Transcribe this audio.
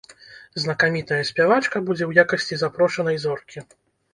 Знакамітая спявачка будзе ў якасці запрошанай зоркі.